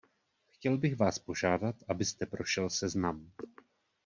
Chtěl bych Vás požádat, abyste prošel seznam.